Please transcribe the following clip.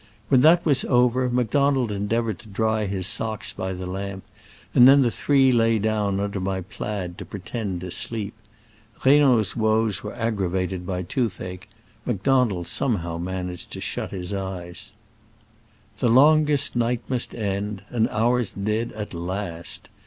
When that was over, Macdonald endeavored to dry his socks by the lamp, and then the three lay down under my plaid to pretend to sleep. Reynaud's woes were aggra vated by toothache : Macdonald some how managed to close his eyes. The longest night must end, and ours did at last.